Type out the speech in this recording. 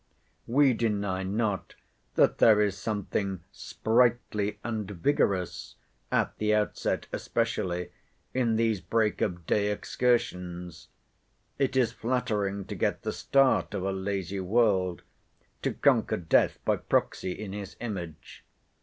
We deny not that there is something sprightly and vigorous, at the outset especially, in these break of day excursions. It is flattering to get the start of a lazy world; to conquer death by proxy in his image.